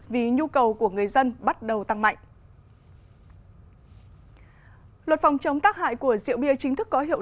vì nhu cầu của người dân bắt đầu tăng mạnh